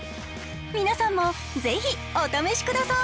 皆さんもぜひお試しくださーい。